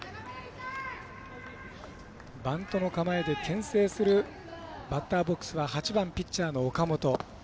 バントの構えでけん制するバッターボックスは８番ピッチャーの岡本。